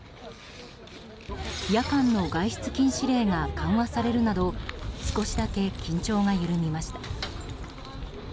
夜間の外出禁止令が緩和されるなど少しだけ緊張が緩みました。